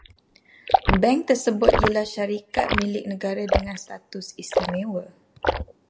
Bank tersebut ialah syarikat milik negara dengan status istimewa